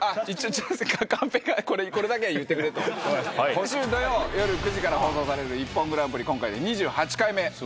今週土曜夜９時から放送される『ＩＰＰＯＮグランプリ』今回で２８回目。